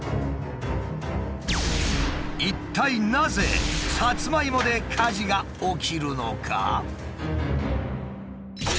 一体なぜサツマイモで火事が起きるのか？